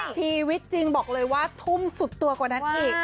ชีวิตจริงบอกเลยว่าทุ่มสุดตัวกว่านั้นอีก